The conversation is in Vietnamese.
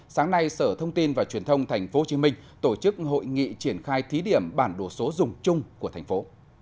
sáng nay sở thông tin và truyền thông tp hcm tổ chức hội nghị triển khai thí điểm bản đồ số dùng chung của thành phố